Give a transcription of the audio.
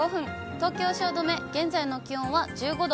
東京・汐留、現在の気温は１５度。